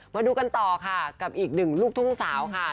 มาดูกันต่อค่ะกับอีกหนึ่งลูกทุ่งสาวค่ะ